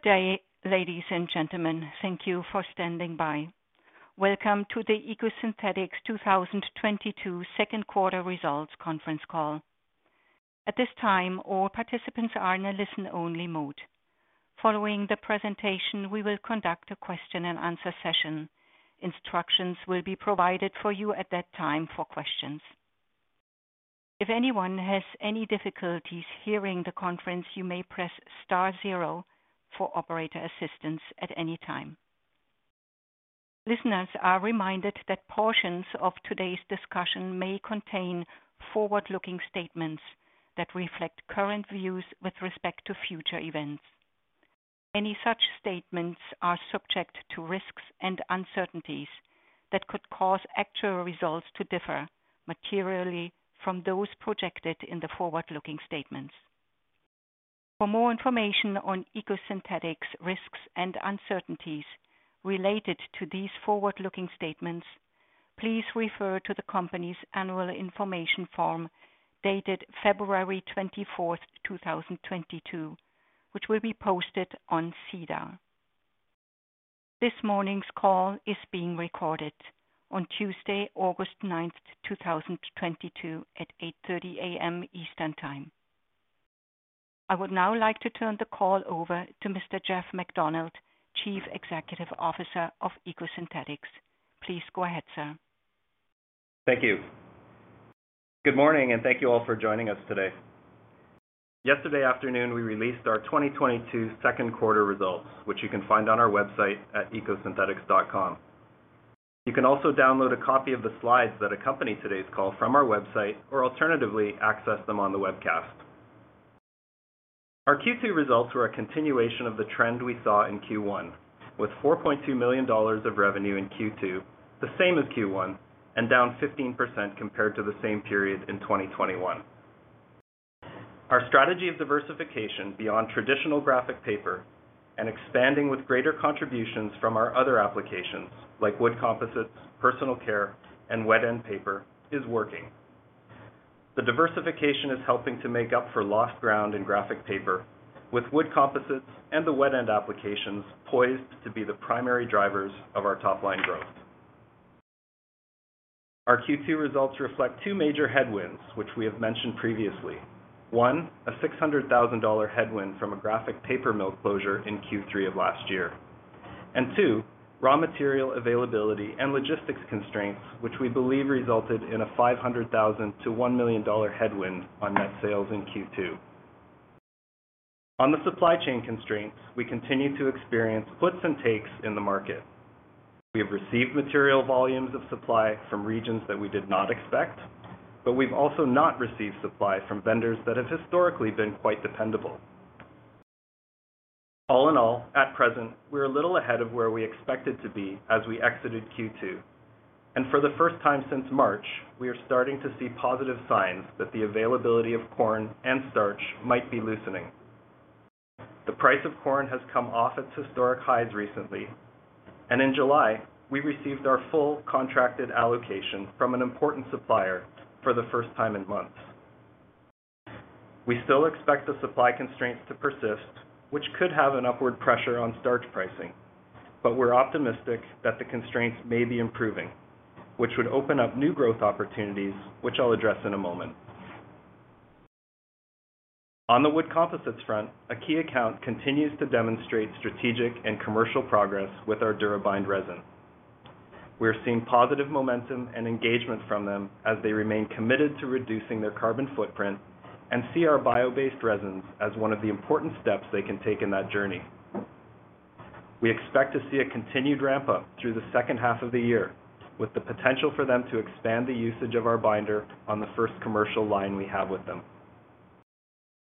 Good day, ladies and gentlemen. Thank you for standing by. Welcome to the EcoSynthetix 2022 second quarter results conference call. At this time, all participants are in a listen-only mode. Following the presentation, we will conduct a question-and-answer session. Instructions will be provided for you at that time for questions. If anyone has any difficulties hearing the conference, you may press star zero for operator assistance at any time. Listeners are reminded that portions of today's discussion may contain forward-looking statements that reflect current views with respect to future events. Any such statements are subject to risks and uncertainties that could cause actual results to differ materially from those projected in the forward-looking statements. For more information on EcoSynthetix risks and uncertainties related to these forward-looking statements, please refer to the company's annual information form dated February 24th, 2022, which will be posted on SEDAR. This morning's call is being recorded on Tuesday, August 9th, 2022 at 8:30 A.M. Eastern Time. I would now like to turn the call over to Mr. Jeff MacDonald, Chief Executive Officer of EcoSynthetix. Please go ahead, sir. Thank you. Good morning, and thank you all for joining us today. Yesterday afternoon, we released our 2022 second quarter results, which you can find on our website at ecosynthetix.com. You can also download a copy of the slides that accompany today's call from our website or alternatively access them on the webcast. Our Q2 results were a continuation of the trend we saw in Q1, with $4.2 million of revenue in Q2, the same as Q1, and down 15% compared to the same period in 2021. Our strategy of diversification beyond traditional graphic paper and expanding with greater contributions from our other applications like wood composites, personal care, and wet end paper is working. The diversification is helping to make up for lost ground in graphic paper with wood composites and the wet end applications poised to be the primary drivers of our top-line growth. Our Q2 results reflect two major headwinds, which we have mentioned previously. One, a $600,000 headwind from a graphic paper mill closure in Q3 of last year. Two, raw material availability and logistics constraints, which we believe resulted in a $500,000-$1 million headwind on net sales in Q2. On the supply chain constraints, we continue to experience splits and takes in the market. We have received material volumes of supply from regions that we did not expect, but we've also not received supply from vendors that have historically been quite dependable. All in all, at present, we're a little ahead of where we expected to be as we exited Q2. For the first time since March, we are starting to see positive signs that the availability of corn and starch might be loosening. The price of corn has come off its historic highs recently, and in July, we received our full contracted allocation from an important supplier for the first time in months. We still expect the supply constraints to persist, which could have an upward pressure on starch pricing. We're optimistic that the constraints may be improving, which would open up new growth opportunities, which I'll address in a moment. On the wood composites front, a key account continues to demonstrate strategic and commercial progress with our DuraBind resin. We're seeing positive momentum and engagement from them as they remain committed to reducing their carbon footprint and see our bio-based resins as one of the important steps they can take in that journey. We expect to see a continued ramp up through the second half of the year, with the potential for them to expand the usage of our binder on the first commercial line we have with them.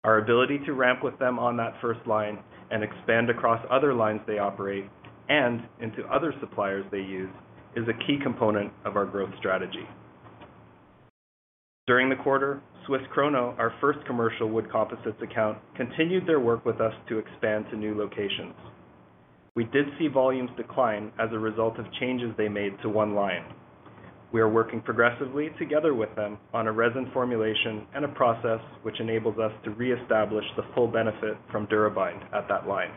Our ability to ramp with them on that first line and expand across other lines they operate and into other suppliers they use is a key component of our growth strategy. During the quarter, Swiss Krono, our first commercial wood composites account, continued their work with us to expand to new locations. We did see volumes decline as a result of changes they made to one line. We are working progressively together with them on a resin formulation and a process which enables us to reestablish the full benefit from DuraBind at that line.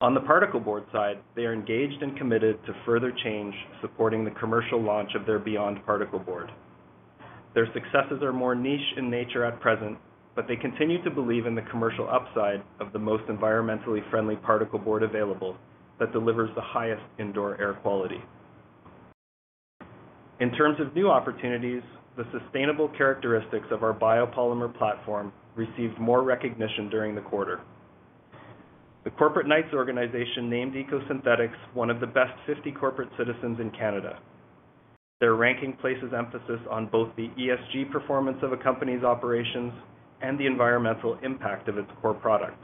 On the particle board side, they are engaged and committed to further change, supporting the commercial launch of their BE.YOND particleboard. Their successes are more niche in nature at present, but they continue to believe in the commercial upside of the most environmentally friendly particle board available that delivers the highest indoor air quality. In terms of new opportunities, the sustainable characteristics of our biopolymer platform received more recognition during the quarter. The Corporate Knights organization named EcoSynthetix one of the best 50 corporate citizens in Canada. Their ranking places emphasis on both the ESG performance of a company's operations and the environmental impact of its core products.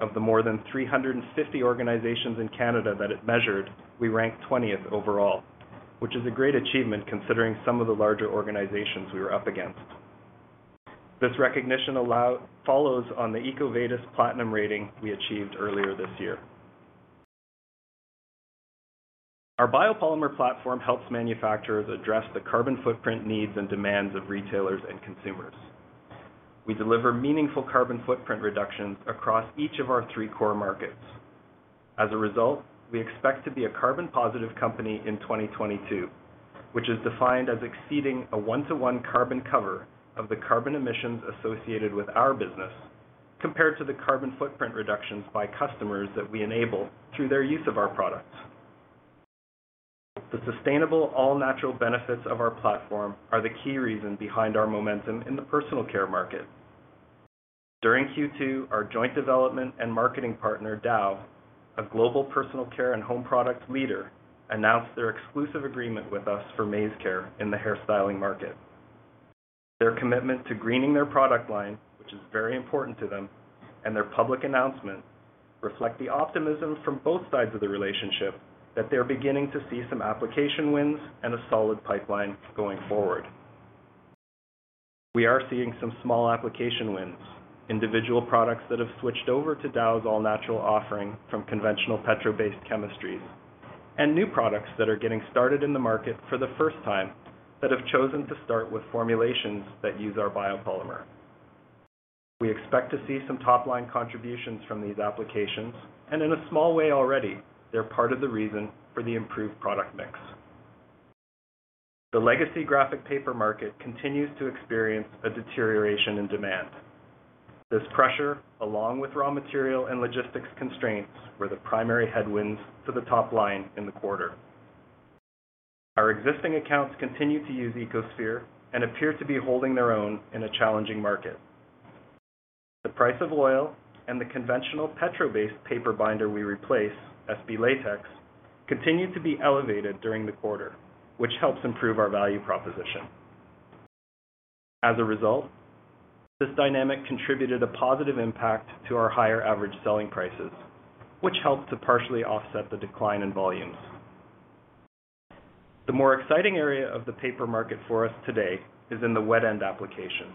Of the more than 350 organizations in Canada that it measured, we ranked twentieth overall, which is a great achievement considering some of the larger organizations we were up against. This recognition follows on the EcoVadis Platinum rating we achieved earlier this year. Our biopolymer platform helps manufacturers address the carbon footprint needs and demands of retailers and consumers. We deliver meaningful carbon footprint reductions across each of our three core markets. As a result, we expect to be a carbon positive company in 2022, which is defined as exceeding a one-to-one carbon cover of the carbon emissions associated with our business, compared to the carbon footprint reductions by customers that we enable through their use of our products. The sustainable all natural benefits of our platform are the key reason behind our momentum in the personal care market. During Q2, our joint development and marketing partner, Dow, a global personal care and home product leader, announced their exclusive agreement with us for MaizeCare in the hairstyling market. Their commitment to greening their product line, which is very important to them, and their public announcement reflect the optimism from both sides of the relationship that they're beginning to see some application wins and a solid pipeline going forward. We are seeing some small application wins, individual products that have switched over to Dow's all-natural offering from conventional petro-based chemistries, and new products that are getting started in the market for the first time that have chosen to start with formulations that use our biopolymer. We expect to see some top-line contributions from these applications, and in a small way already, they're part of the reason for the improved product mix. The legacy graphic paper market continues to experience a deterioration in demand. This pressure, along with raw material and logistics constraints, were the primary headwinds to the top line in the quarter. Our existing accounts continue to use EcoSphere and appear to be holding their own in a challenging market. The price of oil and the conventional petro-based paper binder we replace, SB Latex, continued to be elevated during the quarter, which helps improve our value proposition. As a result, this dynamic contributed a positive impact to our higher average selling prices, which helped to partially offset the decline in volumes. The more exciting area of the paper market for us today is in the wet end application,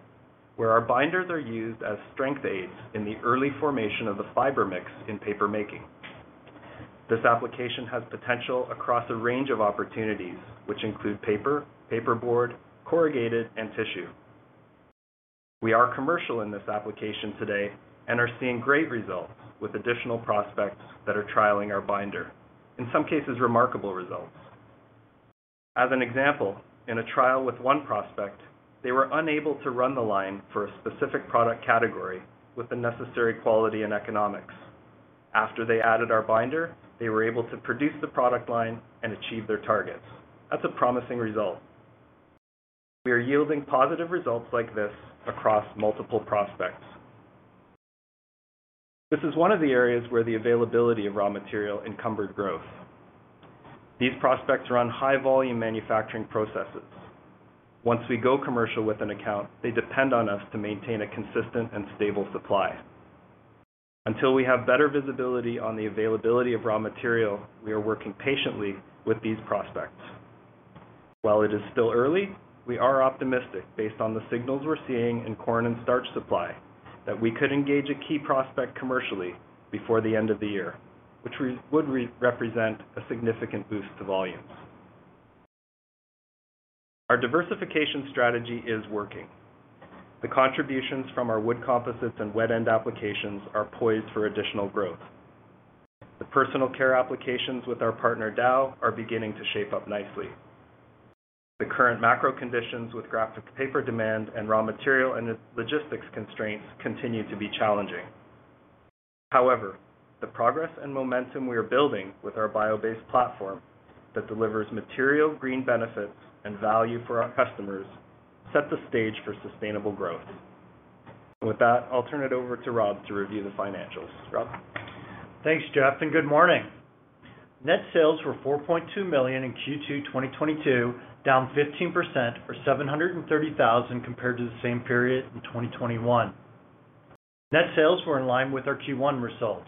where our binders are used as strength aids in the early formation of the fiber mix in paper making. This application has potential across a range of opportunities, which include paper board, corrugated, and tissue. We are commercial in this application today and are seeing great results with additional prospects that are trialing our binder. In some cases, remarkable results. As an example, in a trial with one prospect, they were unable to run the line for a specific product category with the necessary quality and economics. After they added our binder, they were able to produce the product line and achieve their targets. That's a promising result. We are yielding positive results like this across multiple prospects. This is one of the areas where the availability of raw material encumbered growth. These prospects run high volume manufacturing processes. Once we go commercial with an account, they depend on us to maintain a consistent and stable supply. Until we have better visibility on the availability of raw material, we are working patiently with these prospects. While it is still early, we are optimistic based on the signals we're seeing in corn and starch supply, that we could engage a key prospect commercially before the end of the year, which would represent a significant boost to volumes. Our diversification strategy is working. The contributions from our wood composites and wet end applications are poised for additional growth. The personal care applications with our partner, Dow, are beginning to shape up nicely. The current macro conditions with graphic paper demand and raw material and logistics constraints continue to be challenging. However, the progress and momentum we are building with our bio-based platform that delivers material green benefits and value for our customers set the stage for sustainable growth. With that, I'll turn it over to Rob to review the financials. Rob? Thanks, Jeff, and good morning. Net sales were $4.2 million in Q2 2022, down 15% or $730,000 compared to the same period in 2021. Net sales were in line with our Q1 results.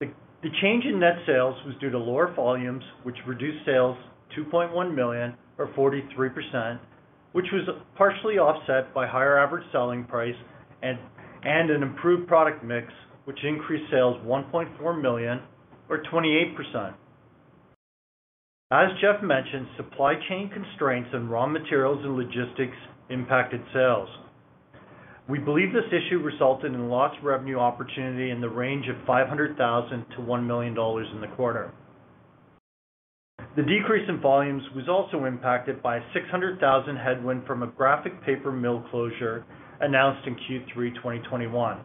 The change in net sales was due to lower volumes, which reduced sales $2.1 million or 43%, which was partially offset by higher average selling price and an improved product mix, which increased sales $1.4 million or 28%. As Jeff mentioned, supply chain constraints and raw materials and logistics impacted sales. We believe this issue resulted in lost revenue opportunity in the range of $500,000-$1 million in the quarter. The decrease in volumes was also impacted by a $600,000 headwind from a graphic paper mill closure announced in Q3 2021.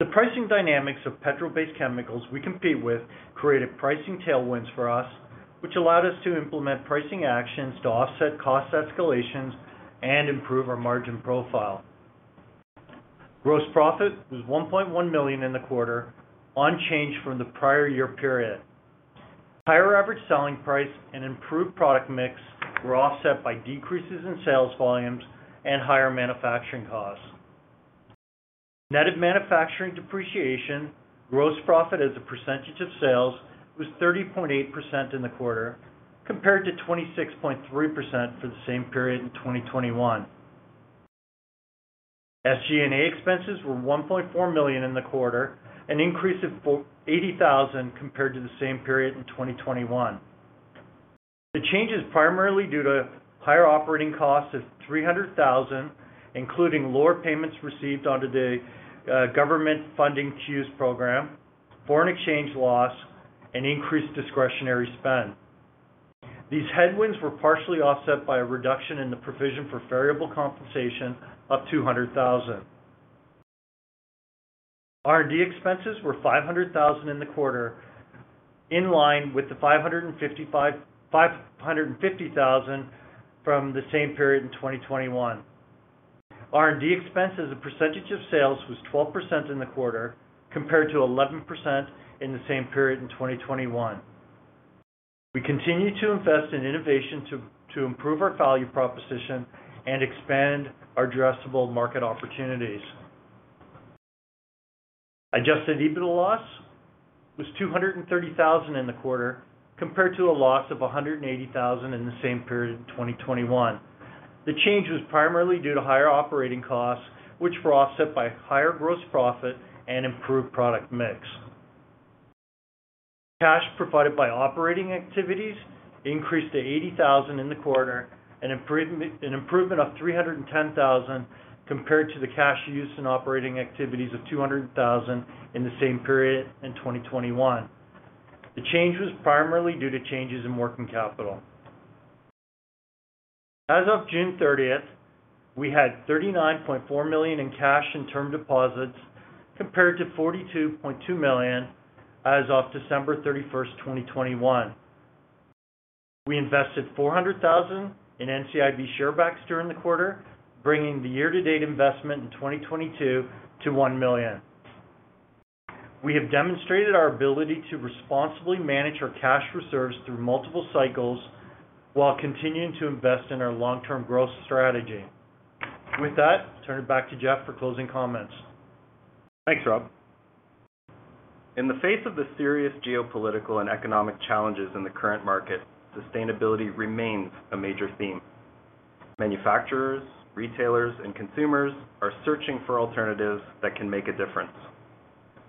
The pricing dynamics of petroleum-based chemicals we compete with created pricing tailwinds for us, which allowed us to implement pricing actions to offset cost escalations and improve our margin profile. Gross profit was 1.1 million in the quarter, unchanged from the prior year period. Higher average selling price and improved product mix were offset by decreases in sales volumes and higher manufacturing costs. Net of manufacturing depreciation, gross profit as a percentage of sales was 30.8% in the quarter, compared to 26.3% for the same period in 2021. SG&A expenses were 1.4 million in the quarter, an increase of 480,000 compared to the same period in 2021. The change is primarily due to higher operating costs of 300,000, including lower payments received under the government funding CEWS program, foreign exchange loss, and increased discretionary spend. These headwinds were partially offset by a reduction in the provision for variable compensation of 200,000. R&D expenses were 500,000 in the quarter, in line with the 550,000 from the same period in 2021. R&D expense as a percentage of sales was 12% in the quarter, compared to 11% in the same period in 2021. We continue to invest in innovation to improve our value proposition and expand our addressable market opportunities. Adjusted EBITDA loss was 230,000 in the quarter, compared to a loss of 180,000 in the same period in 2021. The change was primarily due to higher operating costs, which were offset by higher gross profit and improved product mix. Cash provided by operating activities increased to 80,000 in the quarter, an improvement of 310,000 compared to the cash used in operating activities of 200,000 in the same period in 2021. The change was primarily due to changes in working capital. As of June 30th, we had 39.4 million in cash and term deposits, compared to 42.2 million as of December 31st, 2021. We invested 400,000 in NCIB share buybacks during the quarter, bringing the year-to-date investment in 2022 to 1 million. We have demonstrated our ability to responsibly manage our cash reserves through multiple cycles while continuing to invest in our long-term growth strategy. With that, I'll turn it back to Jeff for closing comments. Thanks, Rob. In the face of the serious geopolitical and economic challenges in the current market, sustainability remains a major theme. Manufacturers, retailers, and consumers are searching for alternatives that can make a difference.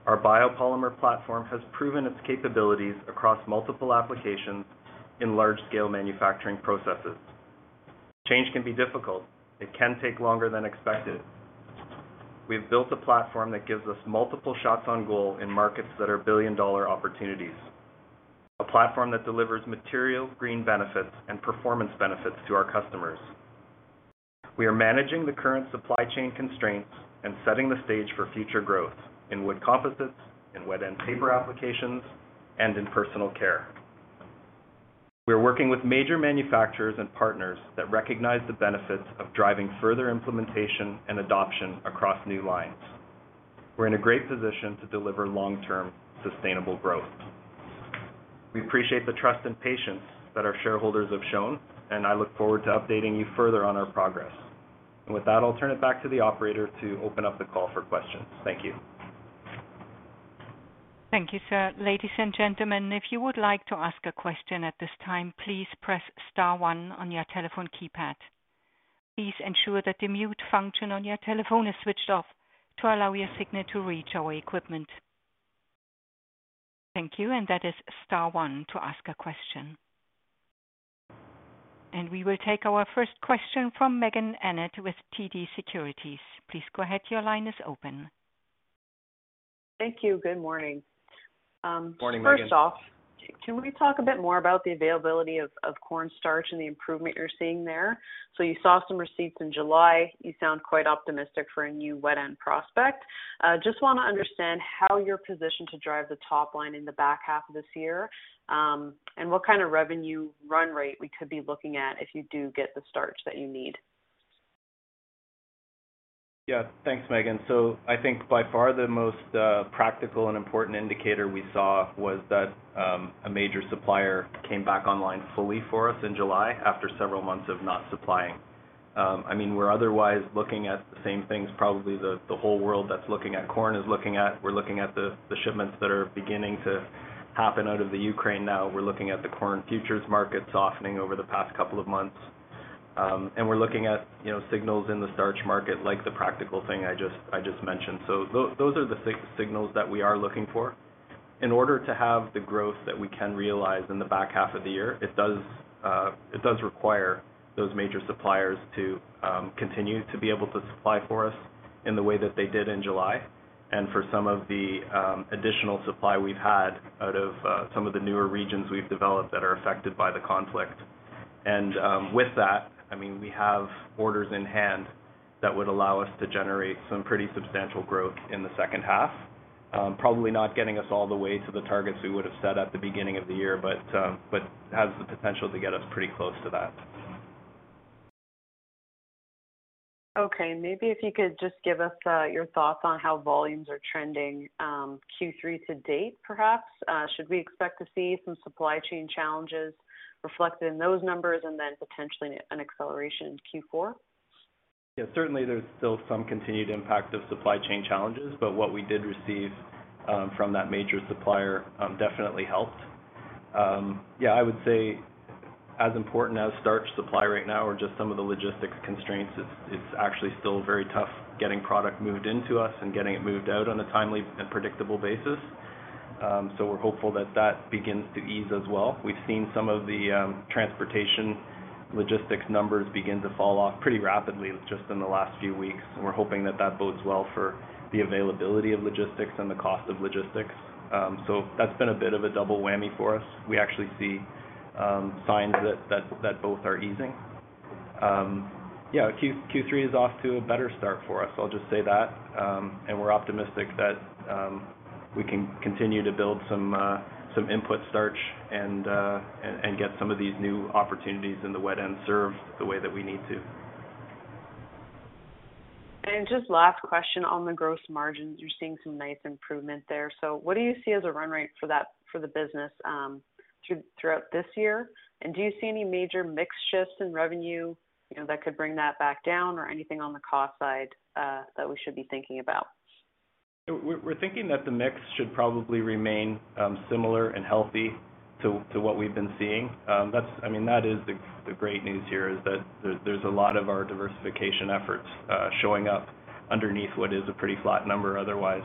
Our biopolymer platform has proven its capabilities across multiple applications in large-scale manufacturing processes. Change can be difficult. It can take longer than expected. We have built a platform that gives us multiple shots on goal in markets that are billion-dollar opportunities. A platform that delivers material green benefits and performance benefits to our customers. We are managing the current supply chain constraints and setting the stage for future growth in wood composites and wet end paper applications, and in personal care. We are working with major manufacturers and partners that recognize the benefits of driving further implementation and adoption across new lines. We're in a great position to deliver long-term sustainable growth. We appreciate the trust and patience that our shareholders have shown, and I look forward to updating you further on our progress. With that, I'll turn it back to the operator to open up the call for questions. Thank you. Thank you, sir. Ladies and gentlemen, if you would like to ask a question at this time, please press star one on your telephone keypad. Please ensure that the mute function on your telephone is switched off to allow your signal to reach our equipment. Thank you. That is star one to ask a question. We will take our first question from Meaghen Annett with TD Securities. Please go ahead. Your line is open. Thank you. Good morning. Morning, Meaghen. First off, can we talk a bit more about the availability of cornstarch and the improvement you're seeing there? You saw some receipts in July. You sound quite optimistic for a new wet end prospect. Just wanna understand how you're positioned to drive the top line in the back half of this year, and what kind of revenue run rate we could be looking at if you do get the starch that you need. Yeah. Thanks, Meaghen. I think by far the most practical and important indicator we saw was that a major supplier came back online fully for us in July after several months of not supplying. I mean, we're otherwise looking at the same things probably the whole world that's looking at corn is looking at. We're looking at the shipments that are beginning to happen out of the Ukraine now. We're looking at the corn futures market softening over the past couple of months. We're looking at, you know, signals in the starch market, like the practical thing I just mentioned. Those are the signals that we are looking for. In order to have the growth that we can realize in the back half of the year, it does require those major suppliers to continue to be able to supply for us in the way that they did in July and for some of the additional supply we've had out of some of the newer regions we've developed that are affected by the conflict. With that, I mean, we have orders in hand that would allow us to generate some pretty substantial growth in the second half. Probably not getting us all the way to the targets we would have set at the beginning of the year, but has the potential to get us pretty close to that. Okay. Maybe if you could just give us your thoughts on how volumes are trending, Q3 to date, perhaps. Should we expect to see some supply chain challenges reflected in those numbers and then potentially an acceleration in Q4? Yeah, certainly there's still some continued impact of supply chain challenges, but what we did receive from that major supplier definitely helped. Yeah, I would say as important as starch supply right now are just some of the logistics constraints. It's actually still very tough getting product moved into the U.S. and getting it moved out on a timely and predictable basis. So we're hopeful that that begins to ease as well. We've seen some of the transportation logistics numbers begin to fall off pretty rapidly just in the last few weeks, and we're hoping that that bodes well for the availability of logistics and the cost of logistics. So that's been a bit of a double whammy for us. We actually see signs that both are easing. Yeah, Q3 is off to a better start for us, I'll just say that. We're optimistic that we can continue to build some input starch and get some of these new opportunities in the wet end served the way that we need to. Just last question on the gross margins. You're seeing some nice improvement there. What do you see as a run rate for that, for the business, throughout this year? Do you see any major mix shifts in revenue, you know, that could bring that back down or anything on the cost side, that we should be thinking about? We're thinking that the mix should probably remain similar and healthy to what we've been seeing. I mean, that is the great news here, is that there's a lot of our diversification efforts showing up underneath what is a pretty flat number, otherwise.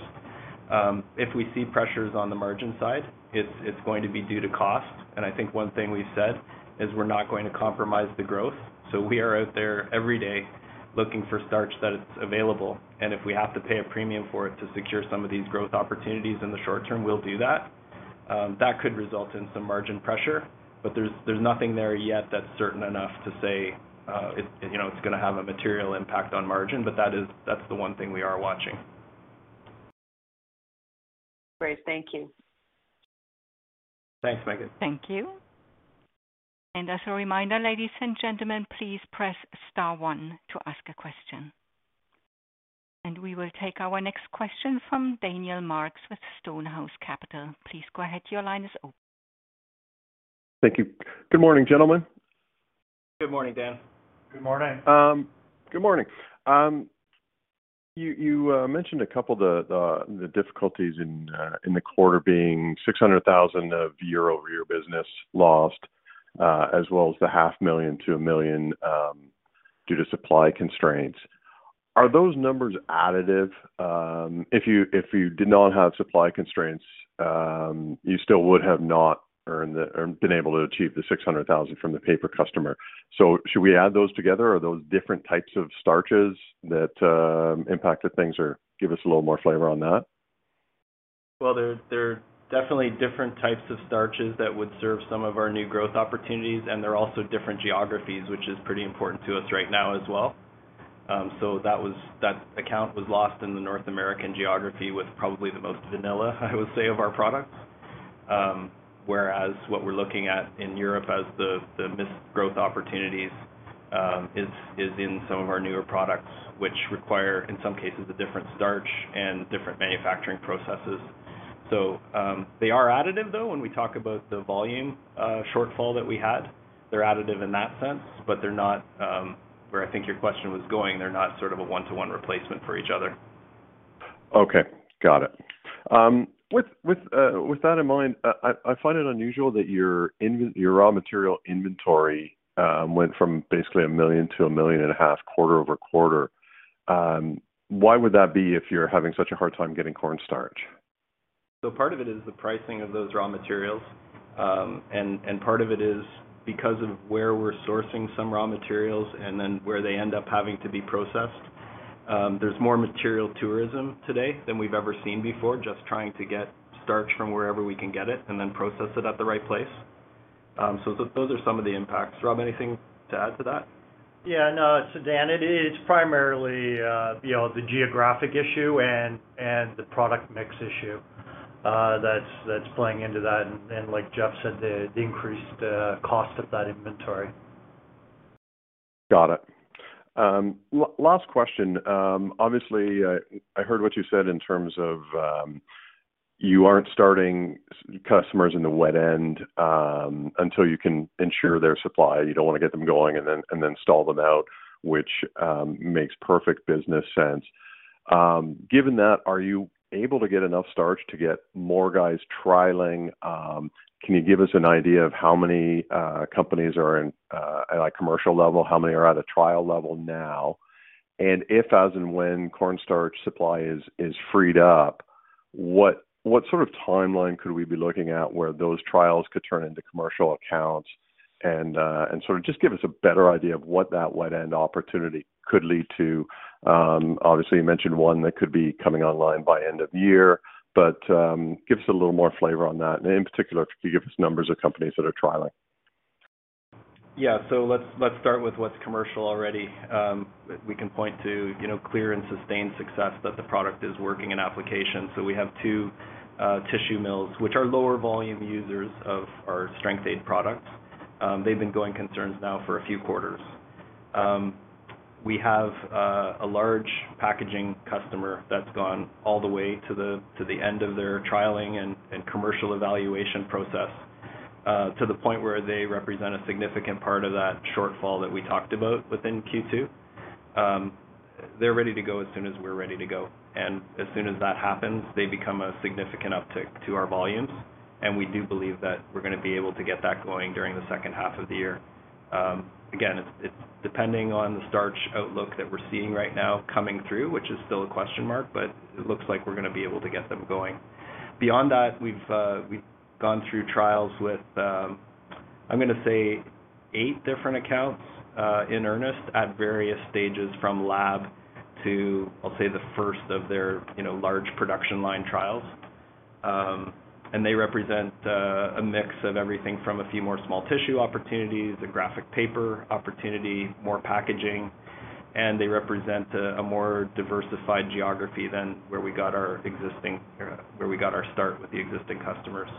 If we see pressures on the margin side, it's going to be due to cost. I think one thing we've said is we're not going to compromise the growth. We are out there every day looking for starch that's available, and if we have to pay a premium for it to secure some of these growth opportunities in the short term, we'll do that. That could result in some margin pressure, but there's nothing there yet that's certain enough to say, you know, it's gonna have a material impact on margin, but that is, that's the one thing we are watching. Great. Thank you. Thanks, Megan. Thank you. As a reminder, ladies and gentlemen, please press star one to ask a question. We will take our next question from Daniel Marks with Stonehouse Capital. Please go ahead. Your line is open. Thank you. Good morning, gentlemen. Good morning, Dan. Good morning. Good morning. You mentioned a couple of the difficulties in the quarter being $600,000 of year-over-year business lost, as well as the half million to $1 million due to supply constraints. Are those numbers additive? If you did not have supply constraints, you still would have not earned the or been able to achieve the $600,000 from the paper customer. Should we add those together? Are those different types of starches that impacted things? Give us a little more flavor on that. Well, they're definitely different types of starches that would serve some of our new growth opportunities, and they're also different geographies, which is pretty important to us right now as well. That account was lost in the North American geography with probably the most vanilla, I would say, of our products. Whereas what we're looking at in Europe as the missed growth opportunities is in some of our newer products, which require, in some cases, a different starch and different manufacturing processes. They are additive, though, when we talk about the volume shortfall that we had. They're additive in that sense, but they're not where I think your question was going. They're not sort of a one-to-one replacement for each other. Okay. Got it. With that in mind, I find it unusual that your raw material inventory went from basically 1 million to 1.5 million quarter-over-quarter. Why would that be if you're having such a hard time getting corn starch? Part of it is the pricing of those raw materials, and part of it is because of where we're sourcing some raw materials and then where they end up having to be processed. There's more material tourism today than we've ever seen before, just trying to get starch from wherever we can get it and then process it at the right place. Those are some of the impacts. Rob, anything to add to that? Yeah, no. Dan, it is primarily, you know, the geographic issue and the product mix issue, that's playing into that. Like Jeff said, the increased cost of that inventory. Got it. Last question. Obviously, I heard what you said in terms of you aren't starting customers in the wet end until you can ensure their supply. You don't wanna get them going and then stall them out, which makes perfect business sense. Given that, are you able to get enough starch to get more guys trialing? Can you give us an idea of how many companies are in at a commercial level? How many are at a trial level now? If as and when corn starch supply is freed up, what sort of timeline could we be looking at where those trials could turn into commercial accounts and sort of just give us a better idea of what that wet end opportunity could lead to? Obviously, you mentioned one that could be coming online by end of year, but give us a little more flavor on that. In particular, could you give us numbers of companies that are trialing? Yeah. Let's start with what's commercial already. We can point to, you know, clear and sustained success that the product is working in application. We have two tissue mills, which are lower volume users of our strength aid products. They've been going concerns now for a few quarters. We have a large packaging customer that's gone all the way to the end of their trialing and commercial evaluation process, to the point where they represent a significant part of that shortfall that we talked about within Q2. They're ready to go as soon as we're ready to go. As soon as that happens, they become a significant uptick to our volumes, and we do believe that we're gonna be able to get that going during the second half of the year. Again, it's depending on the starch outlook that we're seeing right now coming through, which is still a question mark, but it looks like we're gonna be able to get them going. Beyond that, we've gone through trials with, I'm gonna say eight different accounts in earnest at various stages from lab to, I'll say, the first of their, you know, large production line trials. They represent a mix of everything from a few more small tissue opportunities, a graphic paper opportunity, more packaging. They represent a more diversified geography than where we got our start with the existing customers.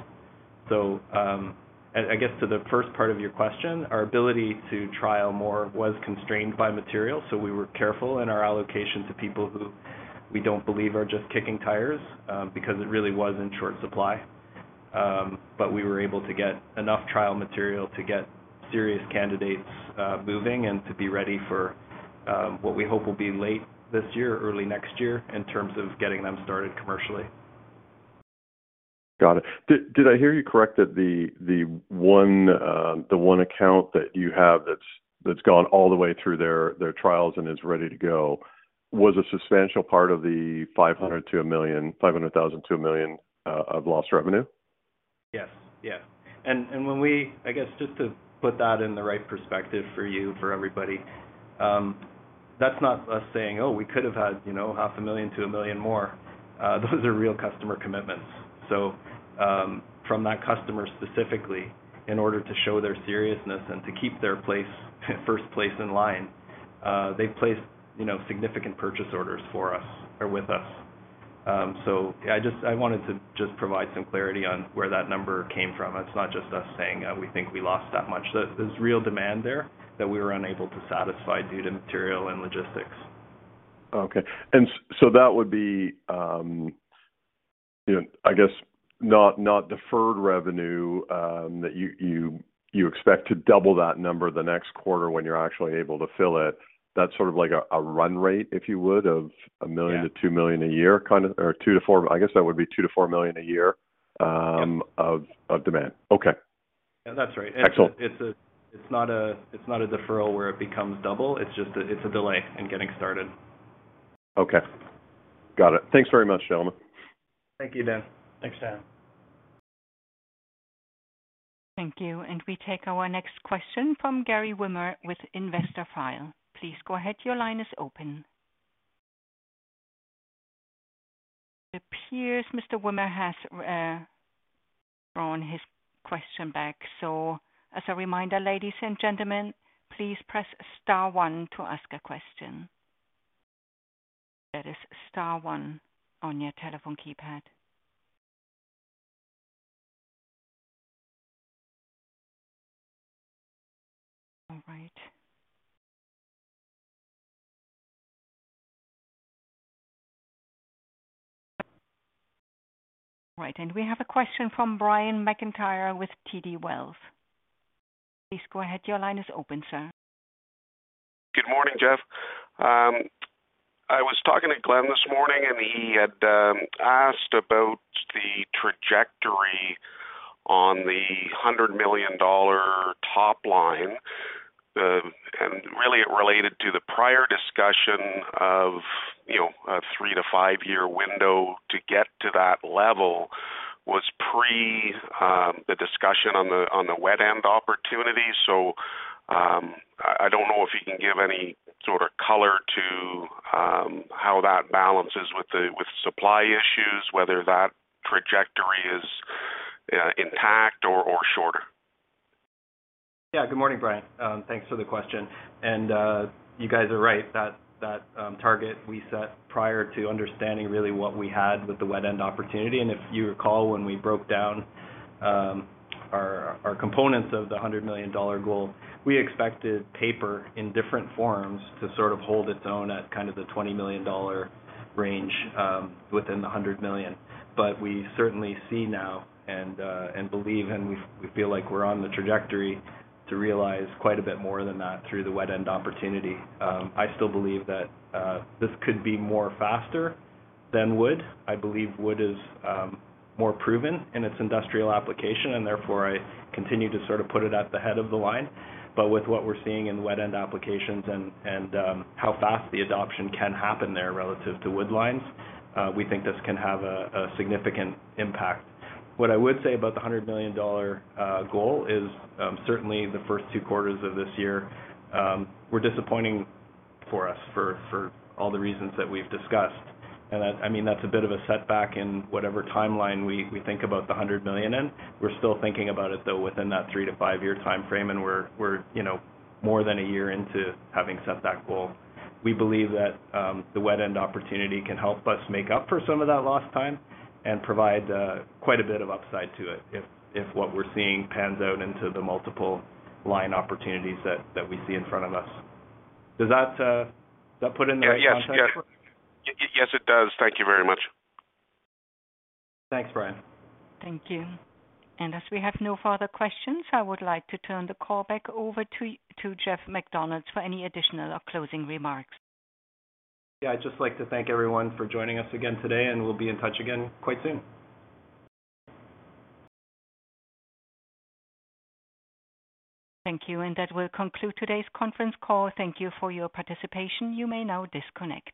I guess to the first part of your question, our ability to trial more was constrained by material, so we were careful in our allocation to people who we don't believe are just kicking tires, because it really was in short supply. We were able to get enough trial material to get serious candidates moving and to be ready for what we hope will be late this year or early next year in terms of getting them started commercially. Got it. Did I hear you correct that the one account that you have that's gone all the way through their trials and is ready to go was a substantial part of the 500,000-1 million of lost revenue? Yes. Yeah. I guess just to put that in the right perspective for you, for everybody, that's not us saying, "Oh, we could have had, you know, $500,000-$1 million more." Those are real customer commitments. From that customer specifically, in order to show their seriousness and to keep their place, first place in line, they've placed, you know, significant purchase orders for us or with us. I wanted to provide some clarity on where that number came from. It's not just us saying, we think we lost that much. There's real demand there that we were unable to satisfy due to material and logistics. Okay. That would be, you know, I guess not deferred revenue that you expect to double that number the next quarter when you're actually able to fill it. That's sort of like a run rate, if you would, of. Yeah. 1 million-2 million a year kind of, or 2 million-4 million. I guess that would be 2 million-4 million a year. Yep. of demand. Okay. Yeah, that's right. Excellent. It's not a deferral where it becomes double. It's just a delay in getting started. Okay. Got it. Thanks very much, gentlemen. Thank you, Dan. Thanks, Dan. Thank you. We take our next question from Gerry Wimmer with Investorfile. Please go ahead. Your line is open. It appears Mr. Wimmer has drawn his question back. As a reminder, ladies and gentlemen, please press star one to ask a question. That is star one on your telephone keypad. All right. We have a question from Brian McIntyre with TD Wealth. Please go ahead. Your line is open, sir. Good morning, Jeff. I was talking to Glen this morning, and he had asked about the trajectory on the $100 million top line. Really it related to the prior discussion of, you know, a 3-5 year window to get to that level was pre the discussion on the wet end opportunity. I don't know if you can give any sort of color to how that balances with supply issues, whether that trajectory is intact or shorter. Yeah. Good morning, Brian. Thanks for the question. You guys are right. That target we set prior to understanding really what we had with the wet end opportunity. If you recall, when we broke down our components of the $100 million goal, we expected paper in different forms to sort of hold its own at kind of the $20 million range within the $100 million. But we certainly see now and believe, and we feel like we're on the trajectory to realize quite a bit more than that through the wet end opportunity. I still believe that this could be more faster than wood. I believe wood is more proven in its industrial application, and therefore I continue to sort of put it at the head of the line. With what we're seeing in wet end applications and how fast the adoption can happen there relative to wood lines, we think this can have a significant impact. What I would say about the $100 million goal is certainly the first two quarters of this year were disappointing for us for all the reasons that we've discussed. I mean, that's a bit of a setback in whatever timeline we think about the $100 million in. We're still thinking about it though within that three to five year timeframe, and we're, you know, more than a year into having set that goal. We believe that the wet end opportunity can help us make up for some of that lost time and provide quite a bit of upside to it if what we're seeing pans out into the multiple line opportunities that we see in front of us. Does that put it in the right context for. Yes, it does. Thank you very much. Thanks, Brian. Thank you. As we have no further questions, I would like to turn the call back over to Jeff MacDonald for any additional or closing remarks. Yeah, I'd just like to thank everyone for joining us again today, and we'll be in touch again quite soon. Thank you. That will conclude today's conference call. Thank you for your participation. You may now disconnect.